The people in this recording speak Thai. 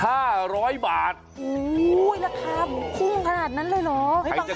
โอ้โฮราคาหมูกุ้งขนาดนั้นเลยเหรอ